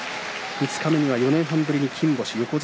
二日目には４年半ぶり金星。